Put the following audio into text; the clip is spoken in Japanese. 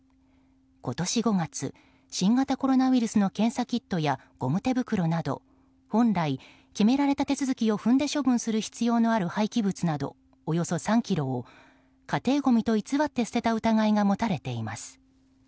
今年５月新型コロナウイルスの検査キットや、ゴム手袋など本来、決められた手続きを踏んで処分する必要のある廃棄物などおよそ３ｋｇを家庭ごみと偽って捨てた疑いが持たれています。